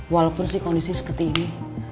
walaupun sih kondisi seperti ini